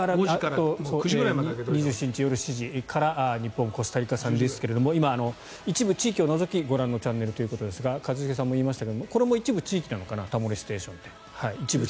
２７日夜７時から日本対コスタリカ戦ですが一部地域を除きご覧のチャンネルということですが一茂さんも言いましたがこれも一部地域なのかな「タモリステーション」って。